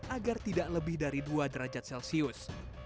agar tidak lebih dari dua derajat celcius